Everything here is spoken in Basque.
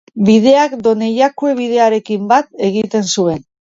Bideak Donejakue bidearekin bat egiten zuen.